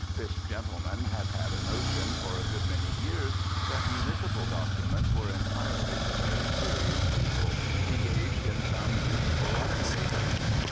This gentleman had had a notion for a good many years that municipal documents were entirely for very serious people engaged in some useful undertakings.